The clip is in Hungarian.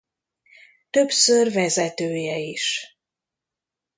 Többször vezetője is.